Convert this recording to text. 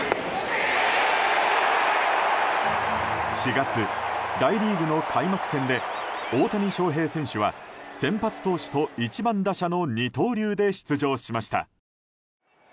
４月、大リーグの開幕戦で大谷翔平選手は先発投手と１番打者の二刀流で出場しました。